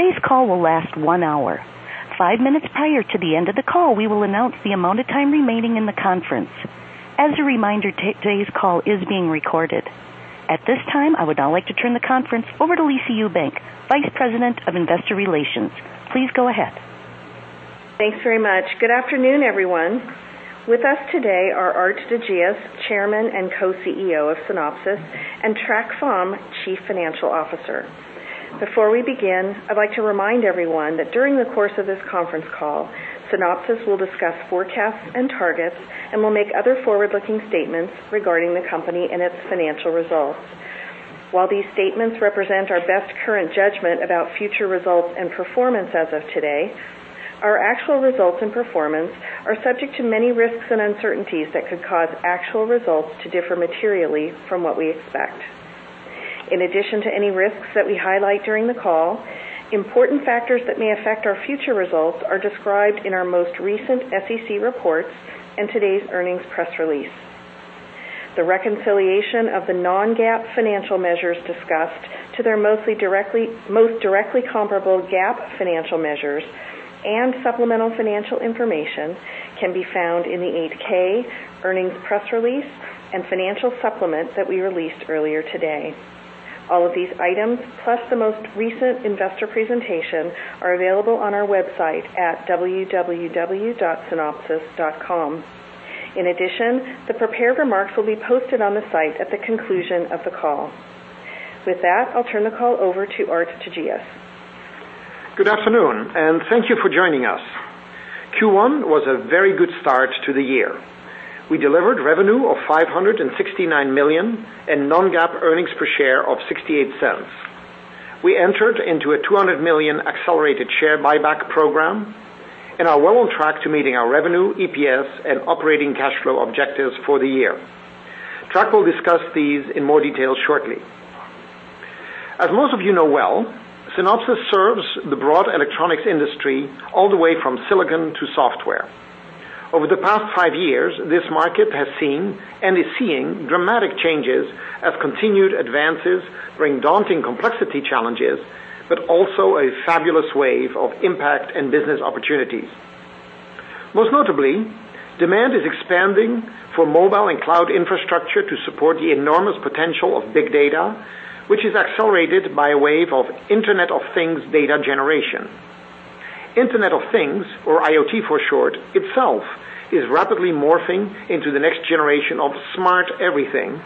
Today's call will last one hour. Five minutes prior to the end of the call, we will announce the amount of time remaining in the conference. As a reminder, today's call is being recorded. At this time, I would now like to turn the conference over to Lisa Ewbank, Vice President of Investor Relations. Please go ahead. Thanks very much. Good afternoon, everyone. With us today are Aart de Geus, Chairman and Co-CEO of Synopsys, and Trac Pham, Chief Financial Officer. Before we begin, I'd like to remind everyone that during the course of this conference call, Synopsys will discuss forecasts and targets and will make other forward-looking statements regarding the company and its financial results. While these statements represent our best current judgment about future results and performance as of today, our actual results and performance are subject to many risks and uncertainties that could cause actual results to differ materially from what we expect. In addition to any risks that we highlight during the call, important factors that may affect our future results are described in our most recent SEC reports and today's earnings press release. The reconciliation of the non-GAAP financial measures discussed to their most directly comparable GAAP financial measures and supplemental financial information can be found in the 8-K earnings press release and financial supplement that we released earlier today. All of these items, plus the most recent investor presentation, are available on our website at www.synopsys.com. In addition, the prepared remarks will be posted on the site at the conclusion of the call. With that, I'll turn the call over to Aart de Geus. Good afternoon, and thank you for joining us. Q1 was a very good start to the year. We delivered revenue of $569 million and non-GAAP earnings per share of $0.68. We entered into a $200 million accelerated share buyback program and are well on track to meeting our revenue, EPS, and operating cash flow objectives for the year. Trac will discuss these in more detail shortly. As most of you know well, Synopsys serves the broad electronics industry all the way from silicon to software. Over the past five years, this market has seen and is seeing dramatic changes as continued advances bring daunting complexity challenges, but also a fabulous wave of impact and business opportunities. Most notably, demand is expanding for mobile and cloud infrastructure to support the enormous potential of big data, which is accelerated by a wave of Internet of Things data generation. Internet of Things, or IoT for short, itself is rapidly morphing into the next generation of smart everything,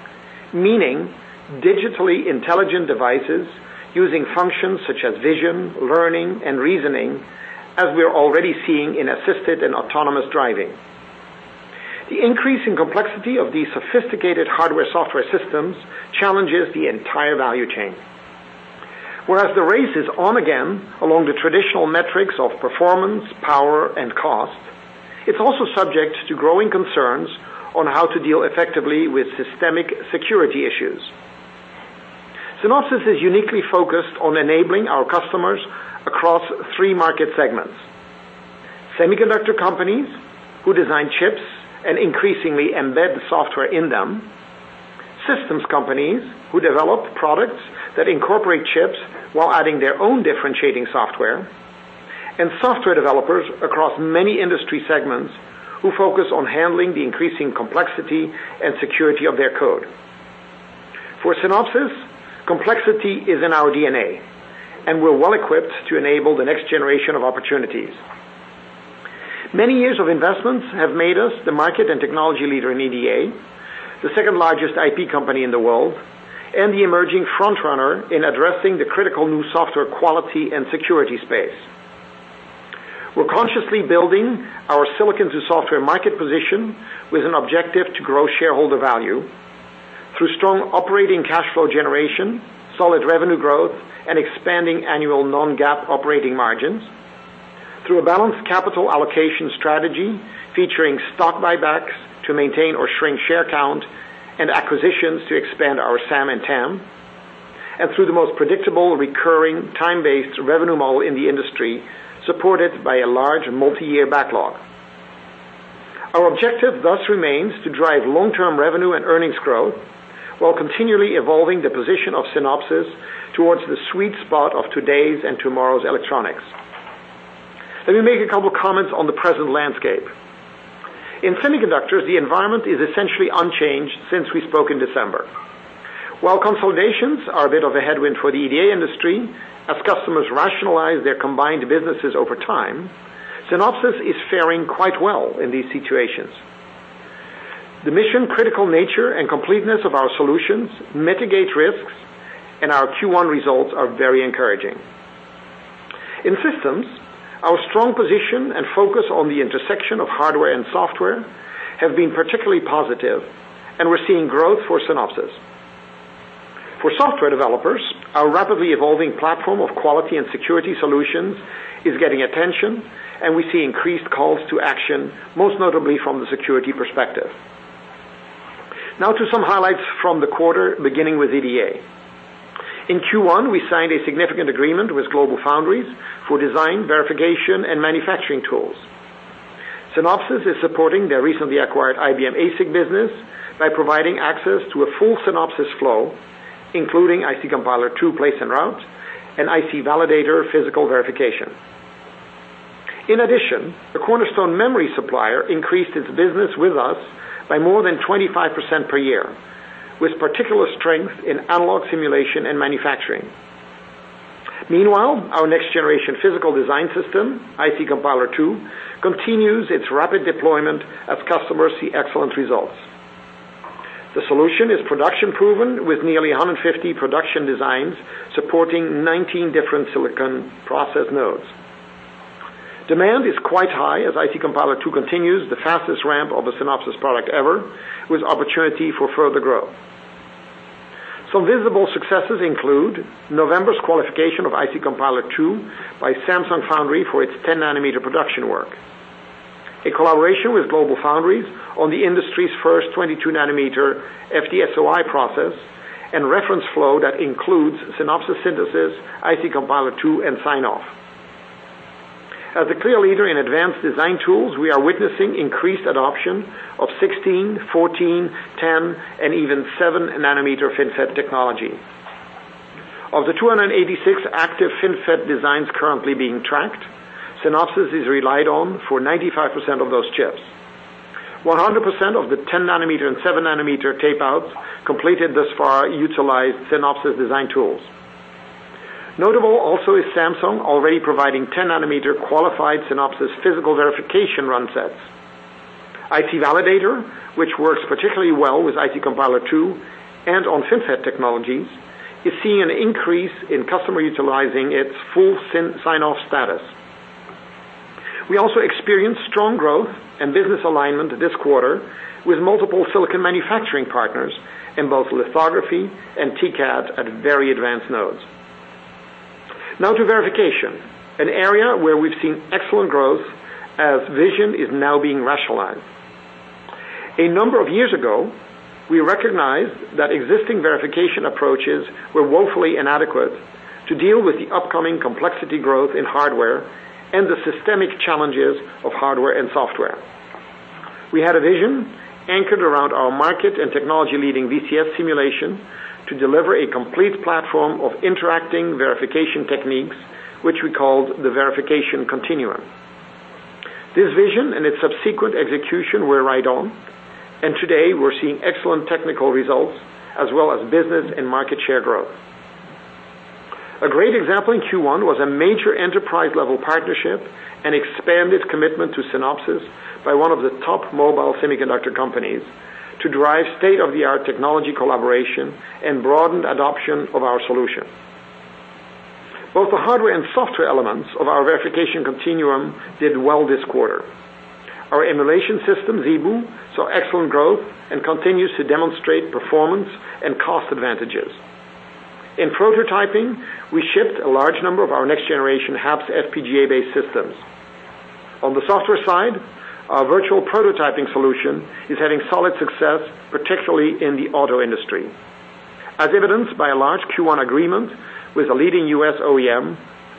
meaning digitally intelligent devices using functions such as vision, learning, and reasoning, as we are already seeing in assisted and autonomous driving. The increase in complexity of these sophisticated hardware-software systems challenges the entire value chain. Whereas the race is on again along the traditional metrics of performance, power, and cost, it's also subject to growing concerns on how to deal effectively with systemic security issues. Synopsys is uniquely focused on enabling our customers across three market segments. Semiconductor companies, who design chips and increasingly embed software in them; systems companies, who develop products that incorporate chips while adding their own differentiating software; and software developers across many industry segments who focus on handling the increasing complexity and security of their code. For Synopsys, complexity is in our DNA. We're well-equipped to enable the next generation of opportunities. Many years of investments have made us the market and technology leader in EDA, the second-largest IP company in the world, and the emerging front-runner in addressing the critical new software quality and security space. We're consciously building our silicon-to-software market position with an objective to grow shareholder value through strong operating cash flow generation, solid revenue growth, and expanding annual non-GAAP operating margins, through a balanced capital allocation strategy featuring stock buybacks to maintain or shrink share count, acquisitions to expand our SAM and TAM, and through the most predictable, recurring, time-based revenue model in the industry, supported by a large multi-year backlog. Our objective thus remains to drive long-term revenue and earnings growth while continually evolving the position of Synopsys towards the sweet spot of today's and tomorrow's electronics. Let me make a couple comments on the present landscape. In semiconductors, the environment is essentially unchanged since we spoke in December. While consolidations are a bit of a headwind for the EDA industry, as customers rationalize their combined businesses over time, Synopsys is faring quite well in these situations. The mission-critical nature and completeness of our solutions mitigate risks. Our Q1 results are very encouraging. In systems, our strong position and focus on the intersection of hardware and software have been particularly positive. We're seeing growth for Synopsys. For software developers, our rapidly evolving platform of quality and security solutions is getting attention. We see increased calls to action, most notably from the security perspective. Now to some highlights from the quarter, beginning with EDA. In Q1, we signed a significant agreement with GlobalFoundries for design, verification, and manufacturing tools. Synopsys is supporting their recently acquired IBM ASIC business by providing access to a full Synopsys flow, including IC Compiler II place and route, and IC Validator physical verification. In addition, the cornerstone memory supplier increased its business with us by more than 25% per year, with particular strength in analog simulation and manufacturing. Meanwhile, our next generation physical design system, IC Compiler II, continues its rapid deployment as customers see excellent results. The solution is production proven with nearly 150 production designs supporting 19 different silicon process nodes. Demand is quite high as IC Compiler II continues the fastest ramp of a Synopsys product ever, with opportunity for further growth. Some visible successes include November's qualification of IC Compiler II by Samsung Foundry for its 10-nanometer production work, a collaboration with GlobalFoundries on the industry's first 22-nanometer FDSOI process, and reference flow that includes Synopsys synthesis, IC Compiler II, and full sign-off. As a clear leader in advanced design tools, we are witnessing increased adoption of 16, 14, 10, and even seven-nanometer FinFET technology. Of the 286 active FinFET designs currently being tracked, Synopsys is relied on for 95% of those chips. 100% of the 10-nanometer and seven-nanometer tape-outs completed thus far utilize Synopsys design tools. Notable also is Samsung already providing 10-nanometer qualified Synopsys physical verification run sets. IC Validator, which works particularly well with IC Compiler II and on FinFET technologies, is seeing an increase in customer utilizing its full sign-off status. We also experienced strong growth and business alignment this quarter with multiple silicon manufacturing partners in both lithography and TCAD at very advanced nodes. Now to verification, an area where we've seen excellent growth as vision is now being rationalized. A number of years ago, we recognized that existing verification approaches were woefully inadequate to deal with the upcoming complexity growth in hardware and the systemic challenges of hardware and software. We had a vision anchored around our market and technology-leading VCS simulation to deliver a complete platform of interacting verification techniques, which we called the Verification Continuum. This vision and its subsequent execution were right on, and today we're seeing excellent technical results, as well as business and market share growth. A great example in Q1 was a major enterprise level partnership and expanded commitment to Synopsys by one of the top mobile semiconductor companies to drive state-of-the-art technology collaboration and broadened adoption of our solution. Both the hardware and software elements of our Verification Continuum did well this quarter. Our emulation system, ZeBu, saw excellent growth and continues to demonstrate performance and cost advantages. In prototyping, we shipped a large number of our next generation HAPS FPGA-based systems. On the software side, our virtual prototyping solution is having solid success, particularly in the auto industry. As evidenced by a large Q1 agreement with a leading U.S. OEM,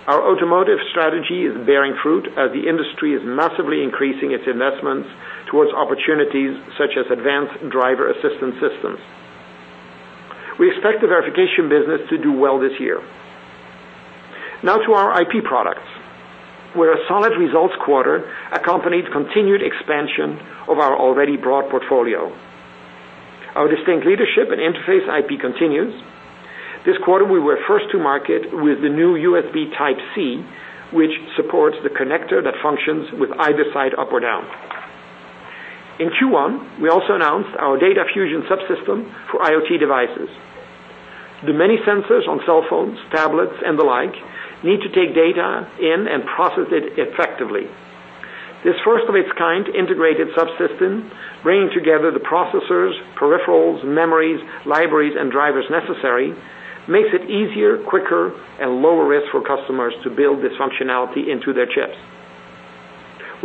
our automotive strategy is bearing fruit as the industry is massively increasing its investments towards opportunities such as advanced driver assistance systems. We expect the verification business to do well this year. Now to our IP products, where a solid results quarter accompanied continued expansion of our already broad portfolio. Our distinct leadership in interface IP continues. This quarter, we were first to market with the new USB Type-C, which supports the connector that functions with either side up or down. In Q1, we also announced our Data Fusion subsystem for IoT devices. The many sensors on cell phones, tablets, and the like need to take data in and process it effectively. This first-of-its-kind integrated subsystem, bringing together the processors, peripherals, memories, libraries, and drivers necessary, makes it easier, quicker, and lower risk for customers to build this functionality into their chips.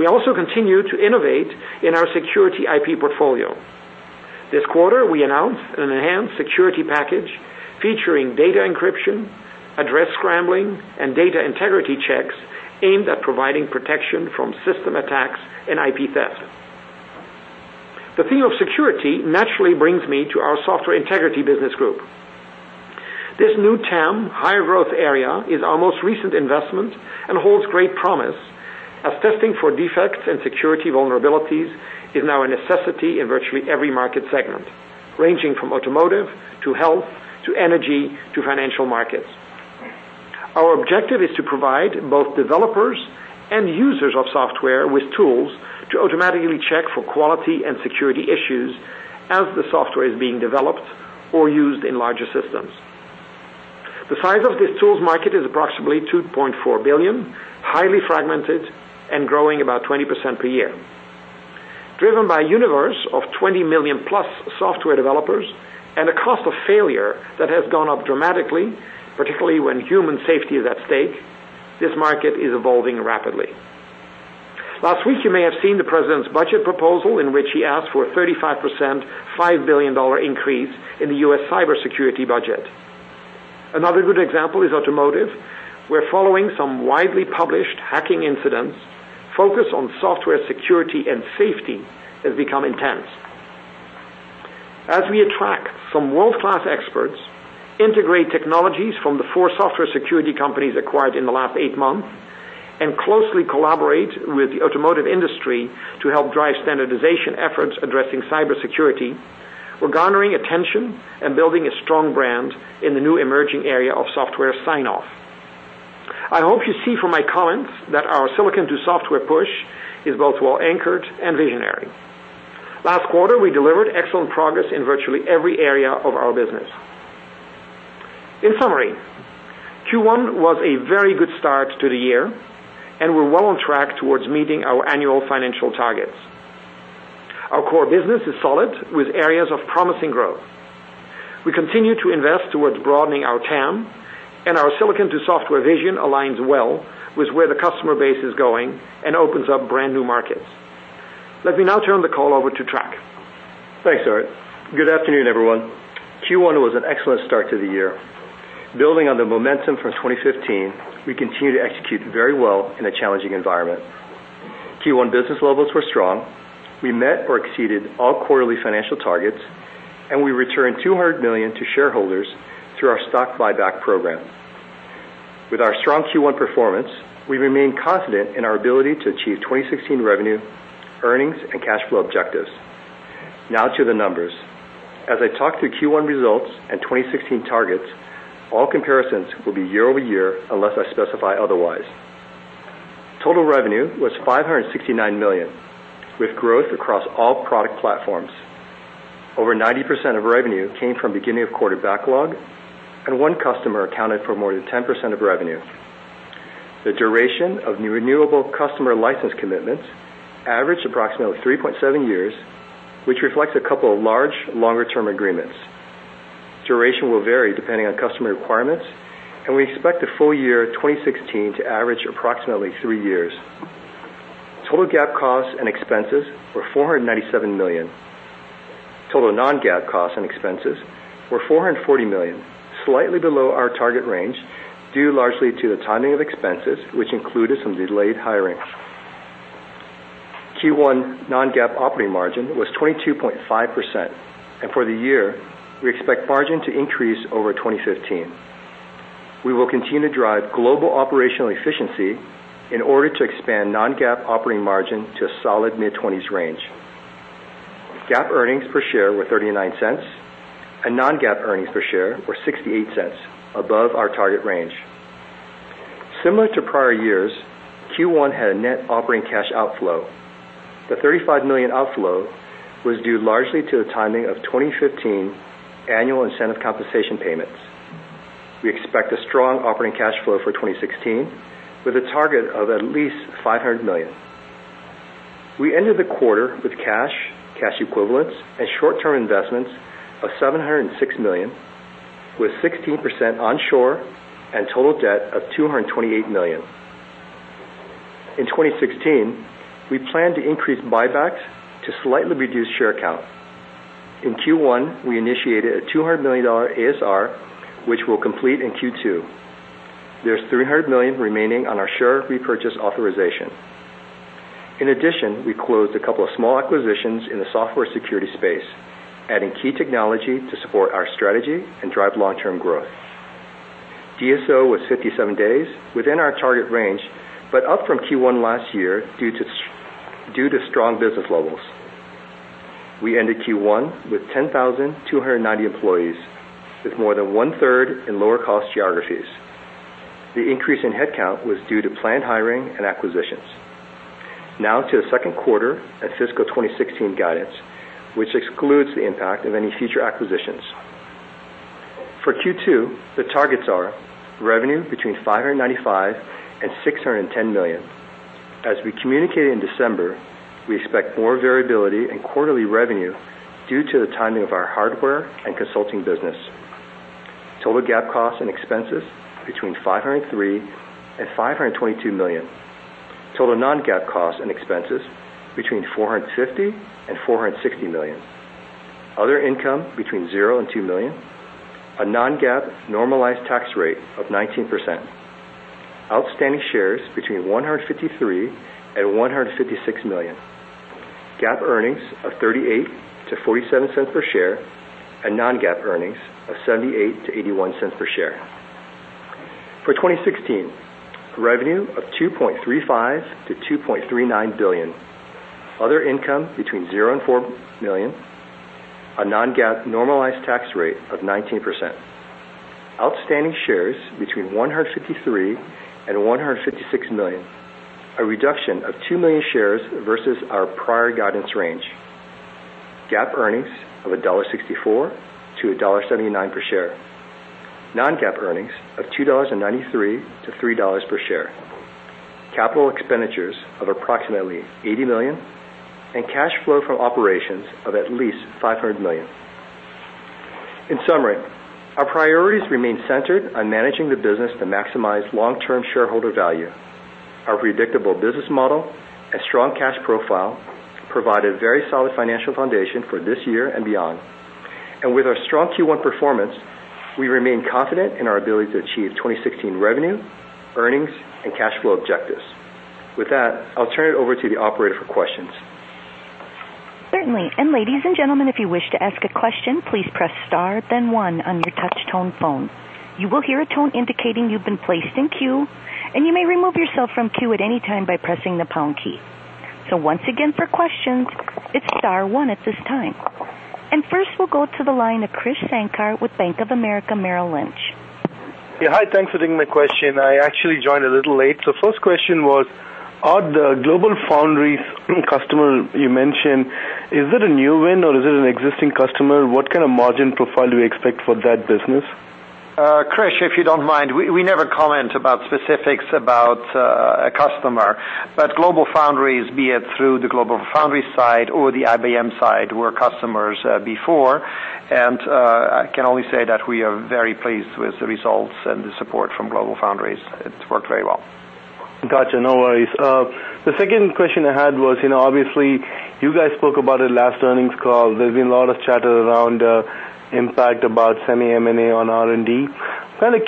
We also continue to innovate in our security IP portfolio. This quarter, we announced an enhanced security package featuring data encryption, address scrambling, and data integrity checks aimed at providing protection from system attacks and IP theft. The theme of security naturally brings me to our software integrity business group. This new TAM higher growth area is our most recent investment and holds great promise, as testing for defects and security vulnerabilities is now a necessity in virtually every market segment, ranging from automotive to health, to energy, to financial markets. Our objective is to provide both developers and users of software with tools to automatically check for quality and security issues as the software is being developed or used in larger systems. The size of this tools market is approximately $2.4 billion, highly fragmented, and growing about 20% per year. Driven by a universe of 20 million-plus software developers and a cost of failure that has gone up dramatically, particularly when human safety is at stake, this market is evolving rapidly. Last week, you may have seen the president's budget proposal in which he asked for a 35% increase in the U.S. cybersecurity budget. Another good example is automotive, where following some widely published hacking incidents, focus on software security and safety has become intense. As we attract some world-class experts, integrate technologies from the four software security companies acquired in the last eight months, closely collaborate with the automotive industry to help drive standardization efforts addressing cybersecurity, we're garnering attention and building a strong brand in the new emerging area of software sign-off. I hope you see from my comments that our silicon-to-software push is both well-anchored and visionary. Last quarter, we delivered excellent progress in virtually every area of our business. In summary, Q1 was a very good start to the year, and we're well on track towards meeting our annual financial targets. Our core business is solid, with areas of promising growth. We continue to invest towards broadening our TAM, our silicon-to-software vision aligns well with where the customer base is going and opens up brand-new markets. Let me now turn the call over to Trac. Thanks, Aart. Good afternoon, everyone. Q1 was an excellent start to the year. Building on the momentum from 2015, we continue to execute very well in a challenging environment. Q1 business levels were strong. We met or exceeded all quarterly financial targets, and we returned $200 million to shareholders through our stock buyback program. With our strong Q1 performance, we remain confident in our ability to achieve 2016 revenue, earnings, and cash flow objectives. Now to the numbers. As I talk through Q1 results and 2016 targets, all comparisons will be year-over-year unless I specify otherwise. Total revenue was $569 million, with growth across all product platforms. Over 90% of revenue came from beginning of quarter backlog, and one customer accounted for more than 10% of revenue. The duration of new renewable customer license commitments averaged approximately 3.7 years, which reflects a couple of large, longer-term agreements. Duration will vary depending on customer requirements. We expect the full year 2016 to average approximately three years. Total GAAP costs and expenses were $497 million. Total non-GAAP costs and expenses were $440 million, slightly below our target range, due largely to the timing of expenses, which included some delayed hiring. Q1 non-GAAP operating margin was 22.5%, and for the year, we expect margin to increase over 2015. We will continue to drive global operational efficiency in order to expand non-GAAP operating margin to a solid mid-20s range. GAAP earnings per share were $0.39, and non-GAAP earnings per share were $0.68, above our target range. Similar to prior years, Q1 had a net operating cash outflow. The $35 million outflow was due largely to the timing of 2015 annual incentive compensation payments. We expect a strong operating cash flow for 2016, with a target of at least $500 million. We ended the quarter with cash equivalents, and short-term investments of $706 million, with 16% onshore and total debt of $228 million. In 2016, we plan to increase buybacks to slightly reduce share count. In Q1, we initiated a $200 million ASR, which we'll complete in Q2. There's $300 million remaining on our share repurchase authorization. We closed a couple of small acquisitions in the software security space, adding key technology to support our strategy and drive long-term growth. DSO was 57 days, within our target range, but up from Q1 last year due to strong business levels. We ended Q1 with 10,290 employees, with more than one-third in lower cost geographies. The increase in headcount was due to planned hiring and acquisitions. To the second quarter and fiscal 2016 guidance, which excludes the impact of any future acquisitions. For Q2, the targets are revenue between $595 million and $610 million. We communicated in December, we expect more variability in quarterly revenue due to the timing of our hardware and consulting business. Total GAAP costs and expenses between $503 million and $522 million. Total non-GAAP costs and expenses between $450 million and $460 million. Other income between $0 and $2 million. A non-GAAP normalized tax rate of 19%. Outstanding shares between 153 million and 156 million. GAAP earnings of $0.38 to $0.47 per share, and non-GAAP earnings of $0.78 to $0.81 per share. For 2016, revenue of $2.35 billion to $2.39 billion. Other income between $0 and $4 million. A non-GAAP normalized tax rate of 19%. Outstanding shares between 153 million and 156 million. A reduction of 2 million shares versus our prior guidance range. GAAP earnings of $1.64 to $1.79 per share. Non-GAAP earnings of $2.93 to $3 per share. Capital expenditures of approximately $80 million. Cash flow from operations of at least $500 million. Our priorities remain centered on managing the business to maximize long-term shareholder value. Our predictable business model and strong cash profile provide a very solid financial foundation for this year and beyond. With our strong Q1 performance, we remain confident in our ability to achieve 2016 revenue, earnings, and cash flow objectives. With that, I'll turn it over to the operator for questions. Certainly. Ladies and gentlemen, if you wish to ask a question, please press star then one on your touch tone phone. You will hear a tone indicating you've been placed in queue, and you may remove yourself from queue at any time by pressing the pound key. Once again, for questions, it's star one at this time. First we'll go to the line of Krish Sankar with Bank of America Merrill Lynch. Yeah. Hi. Thanks for taking my question. I actually joined a little late. First question was, are the GlobalFoundries customer you mentioned, is it a new win or is it an existing customer? What kind of margin profile do we expect for that business? Krish, if you don't mind, we never comment about specifics about a customer. GlobalFoundries, be it through the GlobalFoundries side or the IBM side, were customers before. I can only say that we are very pleased with the results and the support from GlobalFoundries. It's worked very well. Got you. No worries. The second question I had was, obviously you guys spoke about it last earnings call. There's been a lot of chatter around the impact about semi M&A on R&D.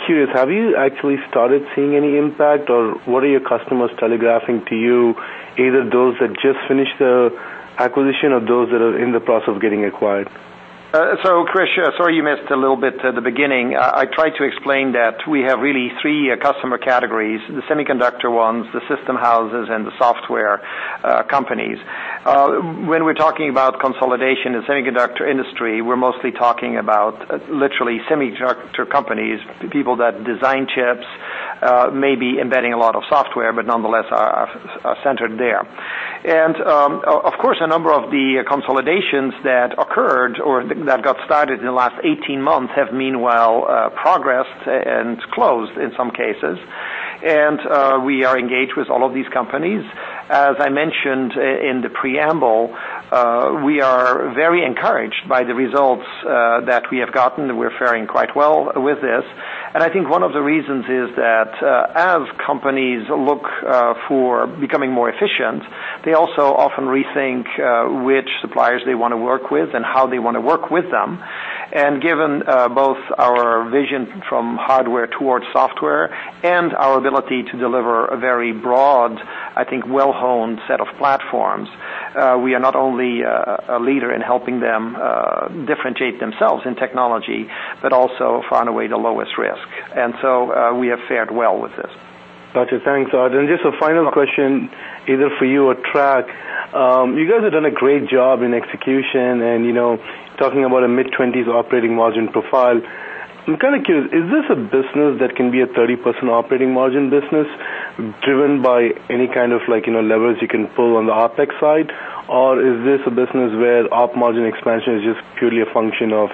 Curious, have you actually started seeing any impact, or what are your customers telegraphing to you, either those that just finished the acquisition or those that are in the process of getting acquired? Krish, sorry you missed a little bit at the beginning. I tried to explain that we have really three customer categories, the semiconductor ones, the system houses, and the software companies. When we're talking about consolidation in the semiconductor industry, we're mostly talking about literally semiconductor companies, people that design chips, maybe embedding a lot of software, but nonetheless are centered there. Of course, a number of the consolidations that occurred or that got started in the last 18 months have meanwhile progressed and closed in some cases. We are engaged with all of these companies. As I mentioned in the preamble, we are very encouraged by the results that we have gotten. We're faring quite well with this, and I think one of the reasons is that as companies look for becoming more efficient, they also often rethink which suppliers they want to work with and how they want to work with them. Given both our vision from hardware towards software and our ability to deliver a very broad, I think, well-honed set of platforms, we are not only a leader in helping them differentiate themselves in technology, but also find a way to lowest risk. So, we have fared well with this. Got you. Thanks, Aart. Just a final question either for you or Trac. You guys have done a great job in execution and talking about a mid-20s operating margin profile. I'm kind of curious, is this a business that can be a 30% operating margin business driven by any kind of levers you can pull on the OpEx side? Or is this a business where op margin expansion is just purely a function of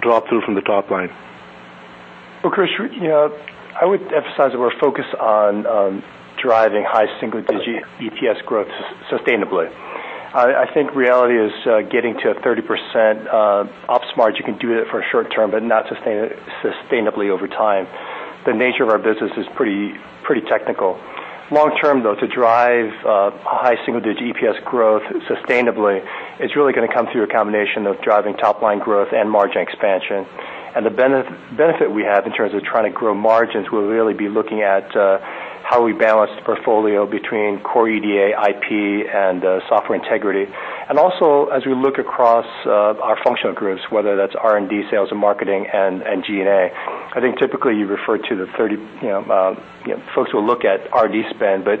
drop-through from the top line? Well, Krish, I would emphasize that we're focused on driving high single-digit EPS growth sustainably. I think reality is getting to a 30% ops margin, you can do that for a short term but not sustainably over time. The nature of our business is pretty technical. Long term, though, to drive high single-digit EPS growth sustainably, it's really going to come through a combination of driving top-line growth and margin expansion. The benefit we have in terms of trying to grow margins, we'll really be looking at how we balance the portfolio between core EDA, IP, and software integrity. Also, as we look across our functional groups, whether that's R&D, sales and marketing, and G&A, I think typically folks will look at R&D spend, but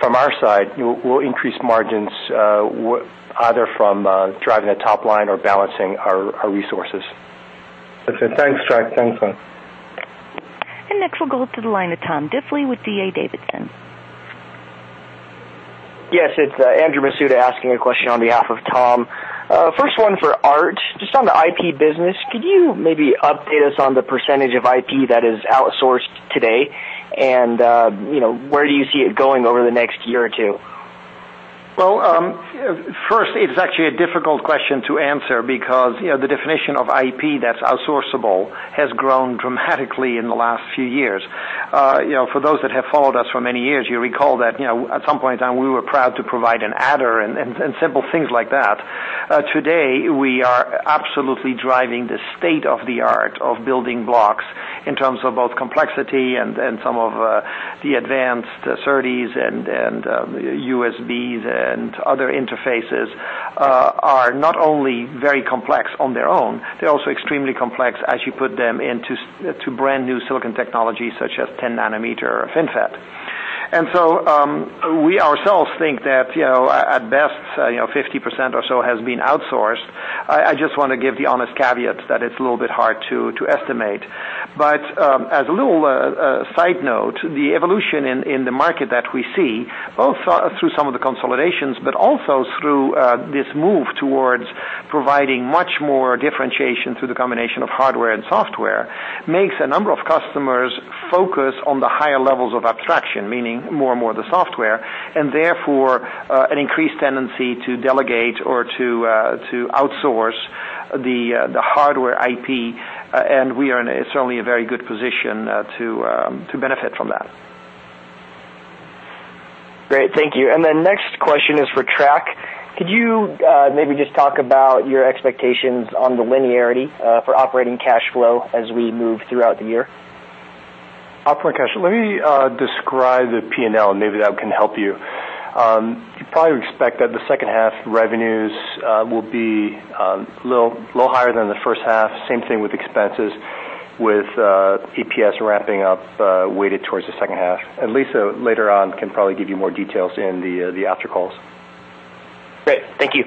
from our side, we'll increase margins either from driving the top line or balancing our resources. Thanks, Trac. Thanks, Aart. Next we'll go to the line of Tom Diffely with D.A. Davidson. Yes, it's Andrew Masuda asking a question on behalf of Tom. First one for Aart. Just on the IP business, could you maybe update us on the percentage of IP that is outsourced today? Where do you see it going over the next year or two? Well, first, it's actually a difficult question to answer because the definition of IP that's outsourceable has grown dramatically in the last few years. For those that have followed us for many years, you'll recall that at some point in time, we were proud to provide an adder and simple things like that. Today, we are absolutely driving the state of the art of building blocks in terms of both complexity and some of the advanced SERDES and USBs and other interfaces are not only very complex on their own, they're also extremely complex as you put them into brand-new silicon technologies such as 10 nanometer FinFET. We ourselves think that at best 50% or so has been outsourced. I just want to give the honest caveat that it's a little bit hard to estimate. As a little side note, the evolution in the market that we see, both through some of the consolidations but also through this move towards providing much more differentiation through the combination of hardware and software, makes a number of customers focus on the higher levels of abstraction, meaning more and more the software, and therefore, an increased tendency to delegate or to outsource the hardware IP, and we are in certainly a very good position to benefit from that. Great. Thank you. The next question is for Trac. Could you maybe just talk about your expectations on the linearity for operating cash flow as we move throughout the year? Operating cash flow. Let me describe the P&L, maybe that can help you. You probably expect that the second half revenues will be a little higher than the first half, same thing with expenses, with EPS ramping up weighted towards the second half. Lisa, later on, can probably give you more details in the after calls. Great. Thank you.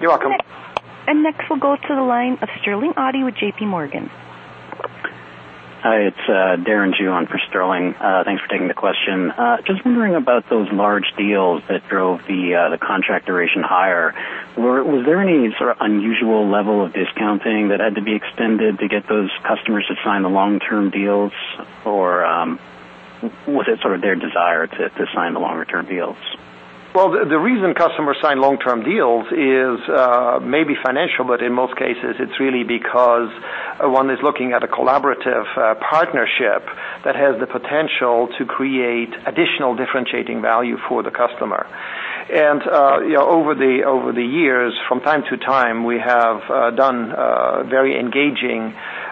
You're welcome. Next we'll go to the line of Sterling Auty with J.P. Morgan. Hi, it's Darren Ju on for Sterling. Thanks for taking the question. Just wondering about those large deals that drove the contract duration higher. Was there any sort of unusual level of discounting that had to be extended to get those customers to sign the long-term deals? Or was it sort of their desire to sign the longer-term deals? Well, the reason customers sign long-term deals is maybe financial, but in most cases, it's really because one is looking at a collaborative partnership that has the potential to create additional differentiating value for the customer. Over the years, from time to time, we have built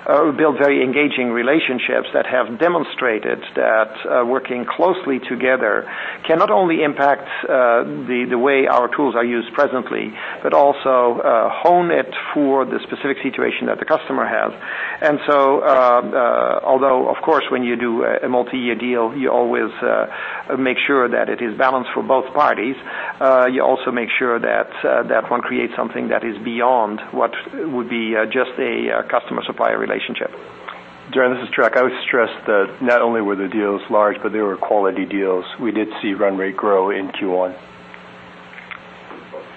very engaging relationships that have demonstrated that working closely together can not only impact the way our tools are used presently, but also hone it for the specific situation that the customer has. Although of course, when you do a multi-year deal, you always make sure that it is balanced for both parties, you also make sure that one creates something that is beyond what would be just a customer-supplier relationship. Darren, this is Trac. I would stress that not only were the deals large, but they were quality deals. We did see run rate grow in Q1.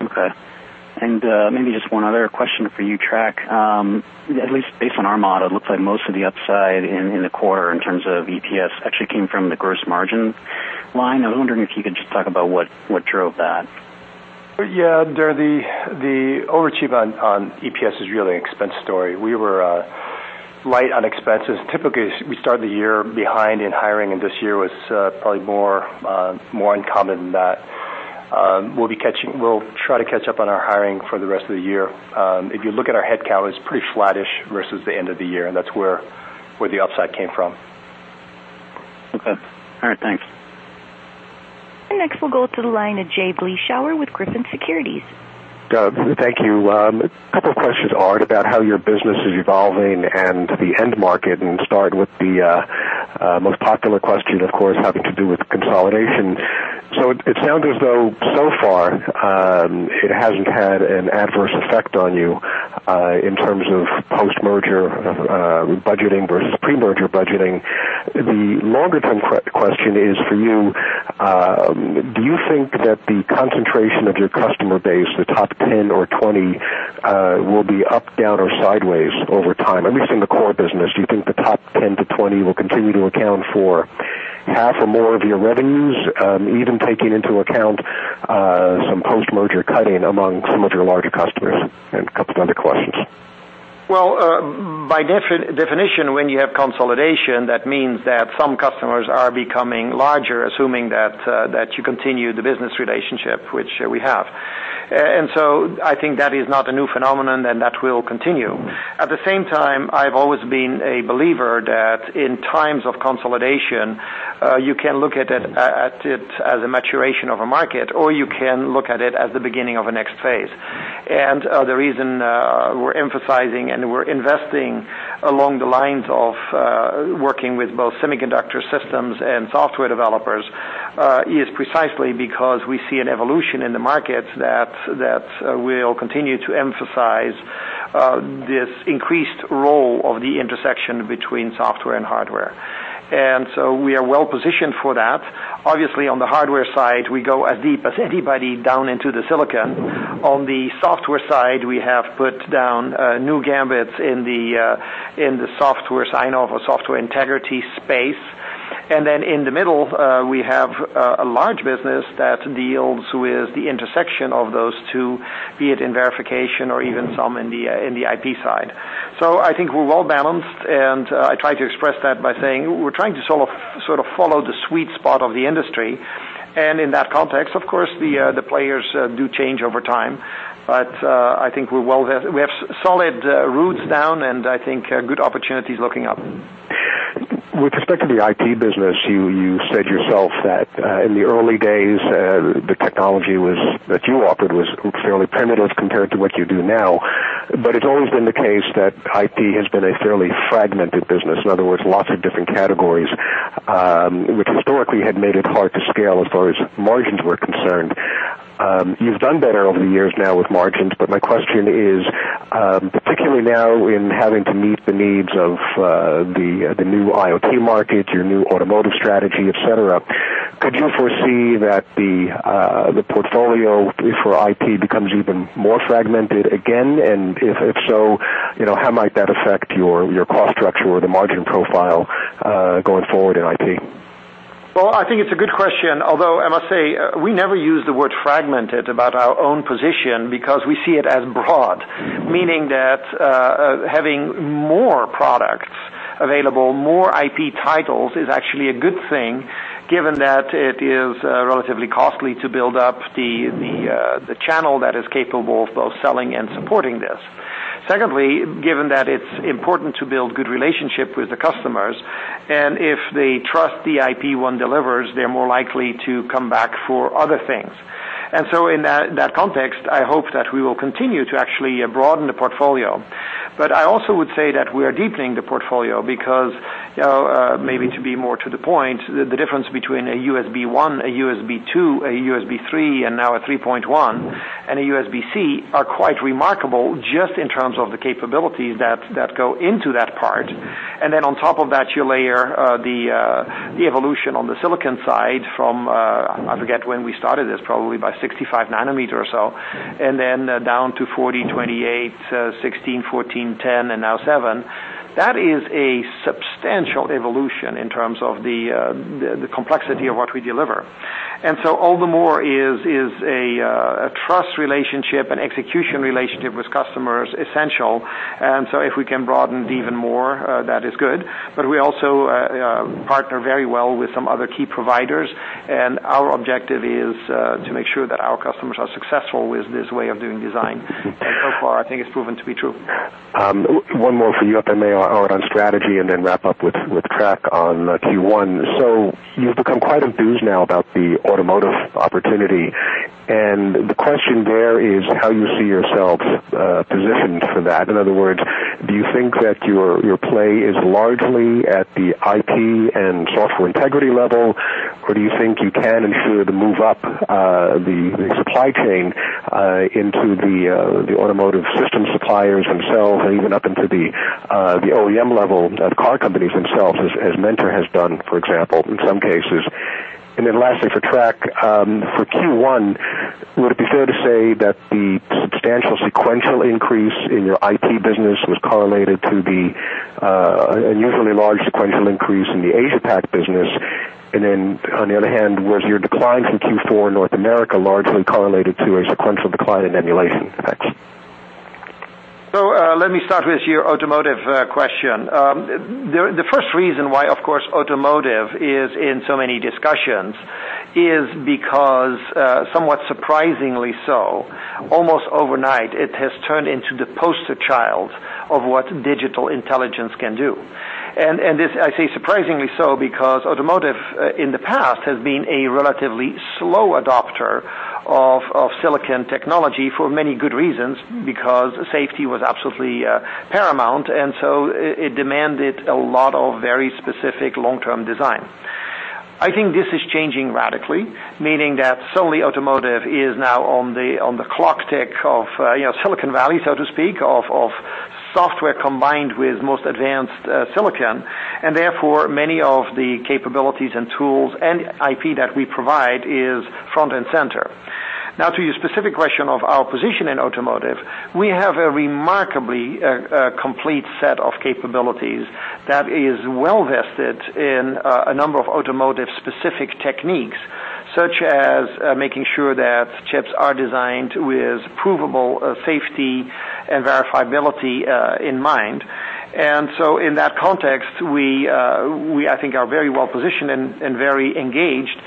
Okay. Maybe just one other question for you, Trac. At least based on our model, it looks like most of the upside in the quarter in terms of EPS actually came from the gross margin line. I was wondering if you could just talk about what drove that. Yeah. Darren, the overachievement on EPS is really an expense story. We were light on expenses. Typically, we start the year behind in hiring, this year was probably more uncommon than that. We'll try to catch up on our hiring for the rest of the year. If you look at our headcount, it's pretty flattish versus the end of the year, that's where the upside came from. Okay. All right, thanks. Next we'll go to the line of Jay Vleeschhouwer with Griffin Securities. Doug, thank you. A couple of questions, Aart, about how your business is evolving and the end market, start with the most popular question, of course, having to do with consolidation. It sounded as though so far it hasn't had an adverse effect on you in terms of post-merger budgeting versus pre-merger budgeting. The longer-term question is for you: Do you think that the concentration of your customer base, the top 10 or 20, will be up, down, or sideways over time? I'm looking at the core business. Do you think the top 10 to 20 will continue to account for half or more of your revenues, even taking into account some post-merger cutting among some of your larger customers? A couple other questions. By definition, when you have consolidation, that means that some customers are becoming larger, assuming that you continue the business relationship, which we have. I think that is not a new phenomenon, and that will continue. At the same time, I've always been a believer that in times of consolidation, you can look at it as a maturation of a market, or you can look at it as the beginning of a next phase. The reason we're emphasizing and we're investing along the lines of working with both semiconductor systems and software developers is precisely because we see an evolution in the market that will continue to emphasize this increased role of the intersection between software and hardware. We are well-positioned for that. Obviously, on the hardware side, we go as deep as anybody down into the silicon. On the software side, we have put down new gambits in the software sign-off or software integrity space. In the middle, we have a large business that deals with the intersection of those two, be it in verification or even some in the IP side. I think we're well-balanced, and I try to express that by saying we're trying to sort of follow the sweet spot of the industry. In that context, of course, the players do change over time. I think we have solid roots down, and I think good opportunities looking up. With respect to the IP business, you said yourself that in the early days, the technology that you offered was fairly primitive compared to what you do now. It's always been the case that IP has been a fairly fragmented business. In other words, lots of different categories, which historically had made it hard to scale as far as margins were concerned. You've done better over the years now with margins, my question is, particularly now in having to meet the needs of the new IoT market, your new automotive strategy, et cetera, could you foresee that the portfolio for IP becomes even more fragmented again? If so, how might that affect your cost structure or the margin profile going forward in IP? Well, I think it's a good question, although I must say we never use the word fragmented about our own position because we see it as broad, meaning that having more products available, more IP titles, is actually a good thing given that it is relatively costly to build up the channel that is capable of both selling and supporting this. Secondly, given that it's important to build good relationships with the customers, and if they trust the IP one delivers, they're more likely to come back for other things. In that context, I hope that we will continue to actually broaden the portfolio. I also would say that we are deepening the portfolio because maybe to be more to the point, the difference between a USB 1, a USB 2, a USB 3, and now a 3.1 and a USB-C are quite remarkable just in terms of the capabilities that go into that part. On top of that, you layer the evolution on the silicon side from, I forget when we started this, probably by 65 nanometers or so, down to 40, 28, 16, 14, 10, and now seven. That is a substantial evolution in terms of the complexity of what we deliver. All the more is a trust relationship and execution relationship with customers essential. If we can broaden it even more, that is good. We also partner very well with some other key providers, and our objective is to make sure that our customers are successful with this way of doing design. So far, I think it's proven to be true. One more for you, [Aart de Geus], on strategy, and then wrap up with Trac on Q1. You've become quite enthused now about the automotive opportunity, and the question there is how you see yourself positioned for that. In other words, do you think that your play is largely at the IP and software integrity level, or do you think you can and should move up the supply chain into the automotive system suppliers themselves, or even up into the OEM level, the car companies themselves, as Mentor has done, for example, in some cases? Lastly, for Trac, for Q1, would it be fair to say that the substantial sequential increase in your IP business was correlated to the unusually large sequential increase in the Asia Pac business? On the other hand, was your decline from Q4 North America largely correlated to a sequential decline in emulation effects? Let me start with your automotive question. The first reason why, of course, automotive is in so many discussions is because, somewhat surprisingly so, almost overnight, it has turned into the poster child of what digital intelligence can do. I say surprisingly so because automotive in the past has been a relatively slow adopter of silicon technology for many good reasons, because safety was absolutely paramount, and so it demanded a lot of very specific long-term design. I think this is changing radically, meaning that suddenly automotive is now on the clock tick of Silicon Valley, so to speak, of software combined with most advanced silicon, and therefore, many of the capabilities and tools and IP that we provide is front and center. To your specific question of our position in automotive, we have a remarkably complete set of capabilities that is well-vested in a number of automotive-specific techniques, such as making sure that chips are designed with provable safety and verifiability in mind. In that context, we, I think, are very well positioned and very engaged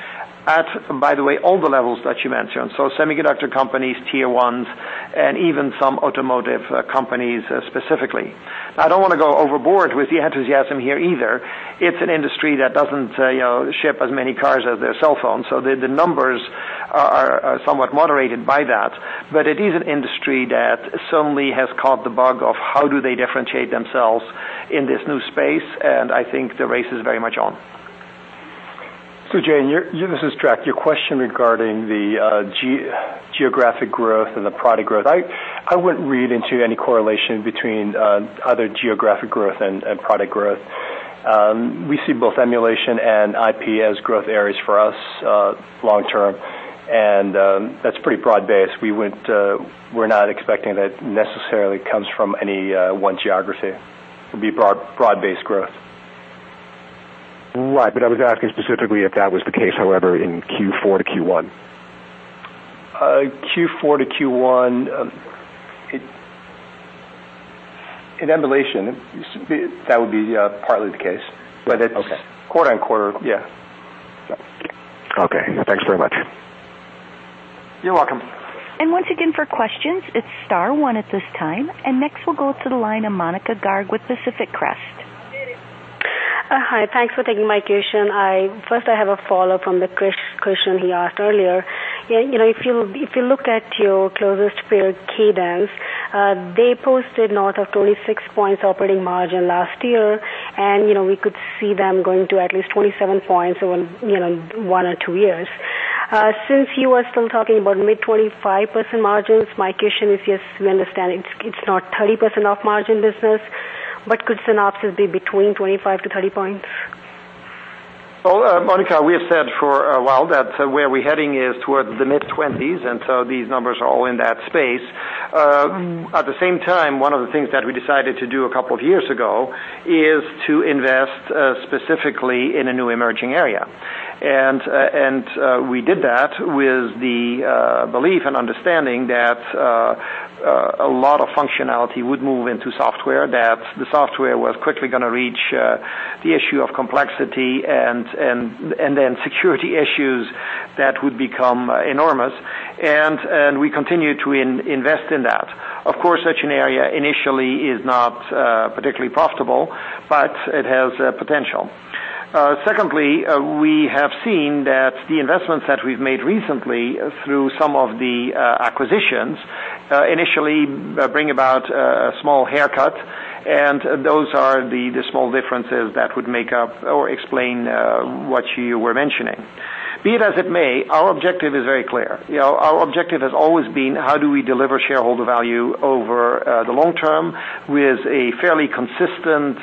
at, by the way, all the levels that you mentioned, so semiconductor companies, tier 1s, and even some automotive companies specifically. I don't want to go overboard with the enthusiasm here either. It's an industry that doesn't ship as many cars as their cell phones, so the numbers are somewhat moderated by that. It is an industry that suddenly has caught the bug of how do they differentiate themselves in this new space, and I think the race is very much on. Jay, this is Trac. Your question regarding the geographic growth and the product growth. I wouldn't read into any correlation between other geographic growth and product growth. We see both emulation and IP as growth areas for us long term, and that's pretty broad-based. We're not expecting that necessarily comes from any one geography. It would be broad-based growth. Right. I was asking specifically if that was the case, however, in Q4 to Q1. Q4 to Q1, in emulation, that would be partly the case, it's quarter on quarter. Yeah. Okay. Thanks very much. You're welcome. Once again, for questions, it's star one at this time. Next we'll go to the line of Monika Garg with Pacific Crest. Hi. Thanks for taking my question. First, I have a follow-up from the Krish question he asked earlier. If you look at your closest peer, Cadence, they posted north of 26 points operating margin last year, and we could see them going to at least 27 points in one or two years. Since you are still talking about mid 25% margins, my question is, yes, we understand it's not 30% off margin business, but could Synopsys be between 25-30 points? Well, Monika, we have said for a while that where we're heading is towards the mid-20s, these numbers are all in that space. At the same time, one of the things that we decided to do a couple of years ago is to invest specifically in a new emerging area. We did that with the belief and understanding that a lot of functionality would move into software, that the software was quickly going to reach the issue of complexity and then security issues that would become enormous. We continue to invest in that. Of course, such an area initially is not particularly profitable, but it has potential. Secondly, we have seen that the investments that we've made recently through some of the acquisitions initially bring about a small haircut, and those are the small differences that would make up or explain what you were mentioning. Be that as it may, our objective is very clear. Our objective has always been how do we deliver shareholder value over the long term with a fairly consistent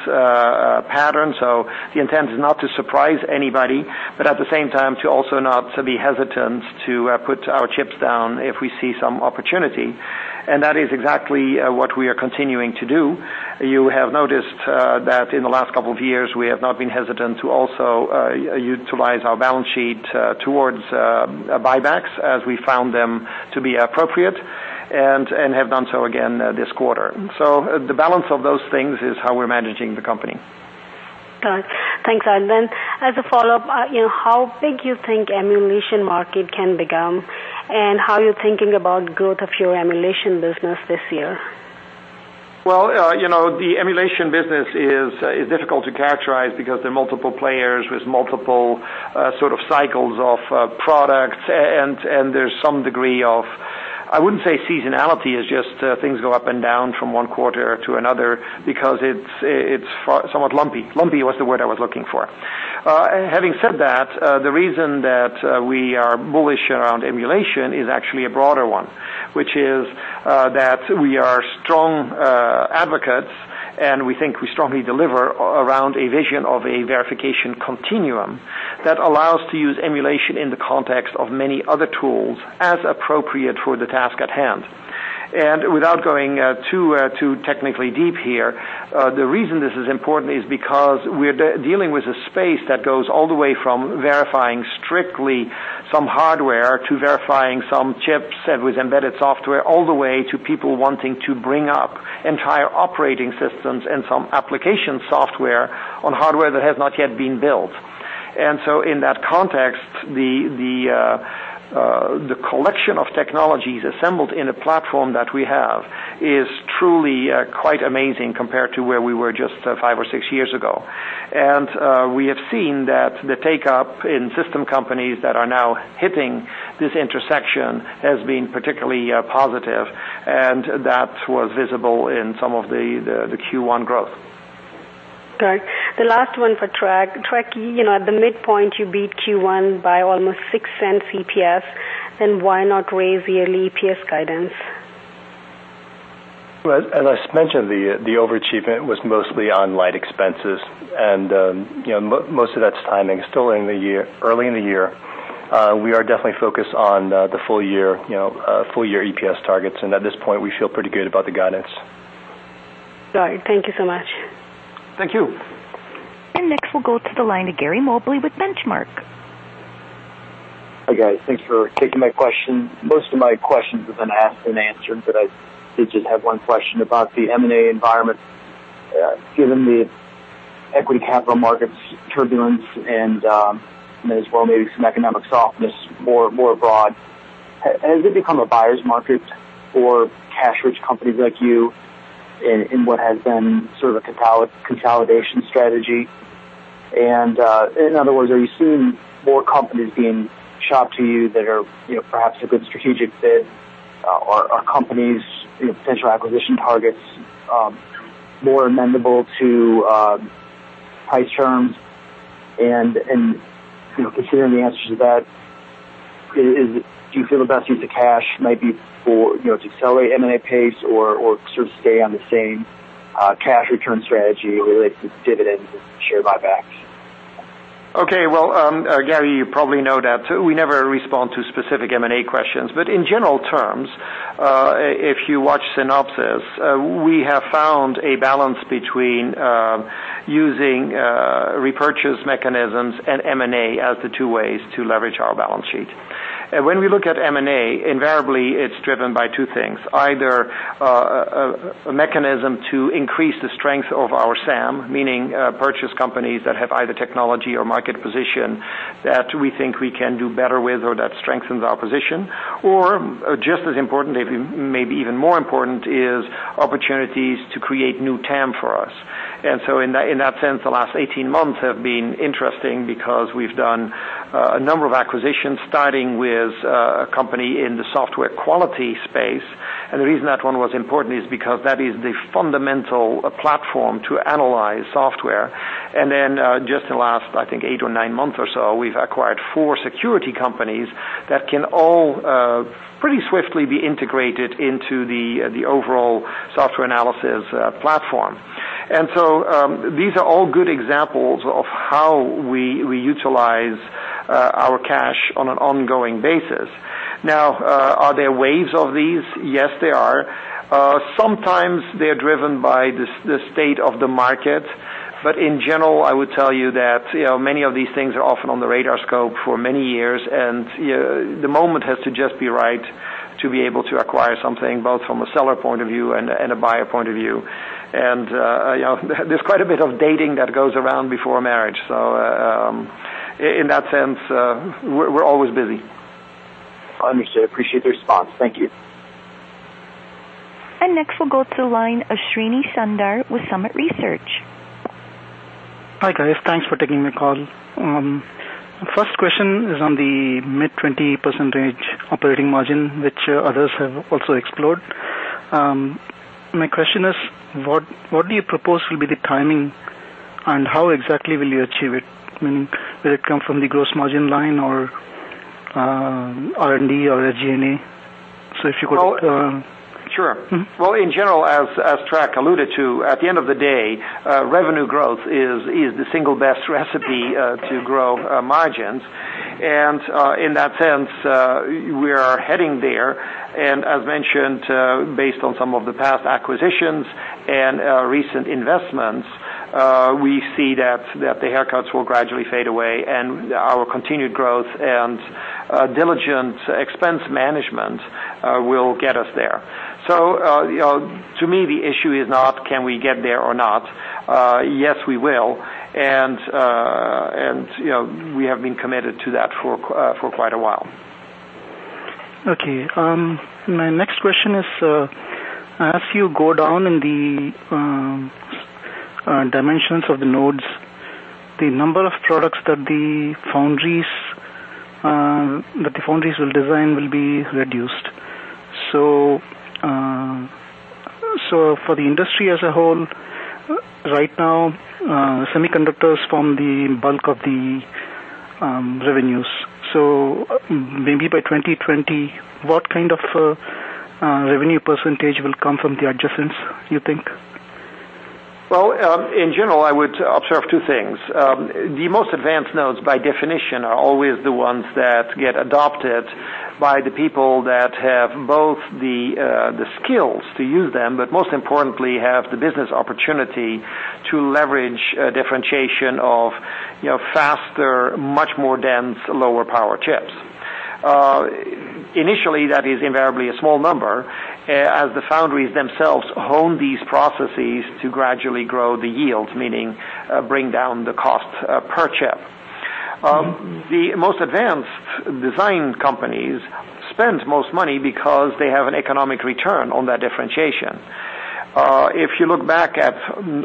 pattern. The intent is not to surprise anybody, but at the same time, to also not to be hesitant to put our chips down if we see some opportunity. That is exactly what we are continuing to do. You have noticed that in the last couple of years, we have not been hesitant to also utilize our balance sheet towards buybacks as we found them to be appropriate, and have done so again this quarter. The balance of those things is how we're managing the company. Got it. Thanks, Aart. As a follow-up, how big you think emulation market can become, and how you're thinking about growth of your emulation business this year? Well, the emulation business is difficult to characterize because there are multiple players with multiple sort of cycles of products, and there's some degree of, I wouldn't say seasonality. It's just things go up and down from one quarter to another because it's somewhat lumpy. Lumpy was the word I was looking for. Having said that, the reason that we are bullish around emulation is actually a broader one, which is that we are strong advocates, and we think we strongly deliver around a vision of a Verification Continuum that allows to use emulation in the context of many other tools as appropriate for the task at hand. Without going too technically deep here, the reason this is important is because we're dealing with a space that goes all the way from verifying strictly some hardware to verifying some chips with embedded software, all the way to people wanting to bring up entire operating systems and some application software on hardware that has not yet been built. In that context, the collection of technologies assembled in a platform that we have is truly quite amazing compared to where we were just five or six years ago. We have seen that the take-up in system companies that are now hitting this intersection has been particularly positive, and that was visible in some of the Q1 growth. Got it. The last one for Trac. Trac, at the midpoint, you beat Q1 by almost $0.06 EPS, why not raise the yearly EPS guidance? Well, as I mentioned, the overachievement was mostly on light expenses, most of that's timing. Still early in the year. We are definitely focused on the full year EPS targets, at this point, we feel pretty good about the guidance. Got it. Thank you so much. Thank you. Next, we'll go to the line of Gary Mobley with Benchmark. Hi, guys. Thanks for taking my question. Most of my questions have been asked and answered, but I did just have one question about the M&A environment. Given the equity capital markets turbulence and may as well maybe some economic softness, more broad, has it become a buyer's market for cash-rich companies like you in what has been sort of a consolidation strategy? In other words, are you seeing more companies being shopped to you that are perhaps a good strategic fit or are companies, potential acquisition targets, more amendable to price terms? Considering the answers to that, do you feel the best use of cash might be to accelerate M&A pace or sort of stay on the same cash return strategy related to dividends and share buybacks? Okay. Well, Gary, you probably know that we never respond to specific M&A questions. In general terms, if you watch Synopsys, we have found a balance between using repurchase mechanisms and M&A as the two ways to leverage our balance sheet. When we look at M&A, invariably, it's driven by two things. Either a mechanism to increase the strength of our SAM, meaning purchase companies that have either technology or market position that we think we can do better with or that strengthens our position, or just as important, maybe even more important, is opportunities to create new TAM for us. In that sense, the last 18 months have been interesting because we've done a number of acquisitions starting with a company in the software quality space. The reason that one was important is because that is the fundamental platform to analyze software. In the last, I think, eight or nine months or so, we've acquired four security companies that can all pretty swiftly be integrated into the overall software analysis platform. These are all good examples of how we utilize our cash on an ongoing basis. Now, are there waves of these? Yes, there are. Sometimes they're driven by the state of the market. In general, I would tell you that many of these things are often on the radar scope for many years, the moment has to just be right to be able to acquire something, both from a seller point of view and a buyer point of view. There's quite a bit of dating that goes around before a marriage. In that sense, we're always busy. Understood. Appreciate the response. Thank you. Next we'll go to the line of Srinivasan Sundararajan with Summit Research. Hi, guys. Thanks for taking my call. First question is on the mid 20% operating margin, which others have also explored. My question is, what do you propose will be the timing, and how exactly will you achieve it? I mean, will it come from the gross margin line or R&D or the G&A? If you could- Sure. Well, in general, as Trac alluded to, at the end of the day, revenue growth is the single best recipe to grow margins. In that sense, we are heading there, and as mentioned, based on some of the past acquisitions and recent investments, we see that the haircuts will gradually fade away and our continued growth and diligent expense management will get us there. To me, the issue is not can we get there or not. Yes, we will. We have been committed to that for quite a while. Okay. My next question is, as you go down in the dimensions of the nodes, the number of products that the foundries will design will be reduced. For the industry as a whole, right now, semiconductors form the bulk of the revenues. Maybe by 2020, what kind of revenue percentage will come from the adjacents, you think? Well, in general, I would observe two things. The most advanced nodes, by definition, are always the ones that get adopted by the people that have both the skills to use them, but most importantly, have the business opportunity to leverage differentiation of faster, much more dense, lower power chips. Initially, that is invariably a small number as the foundries themselves hone these processes to gradually grow the yields, meaning bring down the cost per chip. The most advanced design companies spend most money because they have an economic return on that differentiation. If you look back at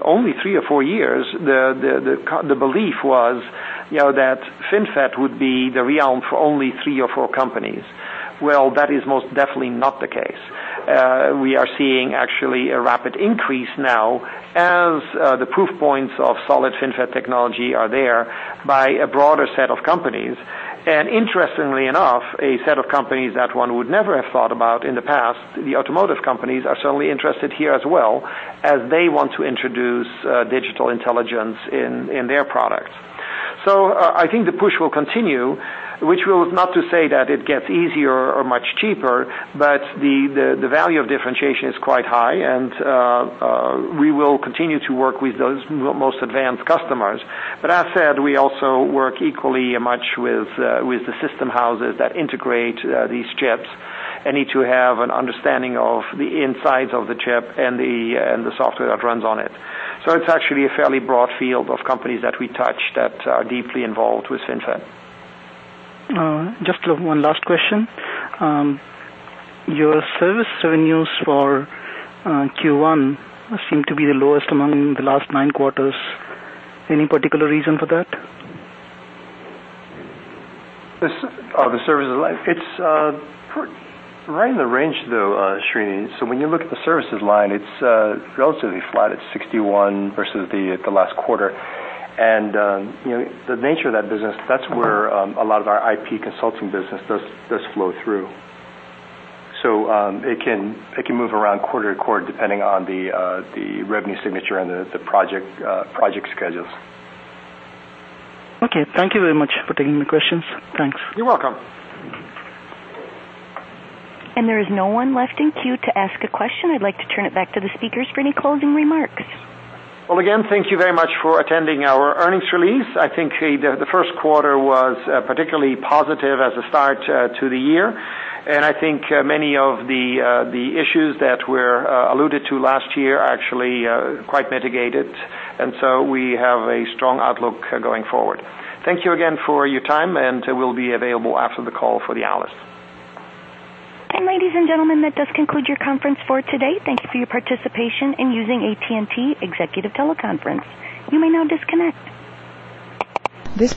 only three or four years, the belief was that FinFET would be the realm for only three or four companies. Well, that is most definitely not the case. We are seeing actually a rapid increase now as the proof points of solid FinFET technology are there by a broader set of companies. Interestingly enough, a set of companies that one would never have thought about in the past, the automotive companies, are certainly interested here as well, as they want to introduce digital intelligence in their products. I think the push will continue, which is not to say that it gets easier or much cheaper, but the value of differentiation is quite high, and we will continue to work with those most advanced customers. As said, we also work equally as much with the system houses that integrate these chips and need to have an understanding of the insides of the chip and the software that runs on it. It's actually a fairly broad field of companies that we touch that are deeply involved with FinFET. Just one last question. Your service revenues for Q1 seem to be the lowest among the last nine quarters. Any particular reason for that? The services line. It's right in the range, though, Srini. When you look at the services line, it's relatively flat at 61 versus the last quarter. The nature of that business, that's where a lot of our IP consulting business does flow through. It can move around quarter to quarter depending on the revenue signature and the project schedules. Okay. Thank you very much for taking the questions. Thanks. You're welcome. There is no one left in queue to ask a question. I'd like to turn it back to the speakers for any closing remarks. Well, again, thank you very much for attending our earnings release. I think the first quarter was particularly positive as a start to the year, and I think many of the issues that were alluded to last year are actually quite mitigated, so we have a strong outlook going forward. Thank you again for your time, and we'll be available after the call for the analyst. Ladies and gentlemen, that does conclude your conference for today. Thank you for your participation in using AT&T Executive Teleconference. You may now disconnect.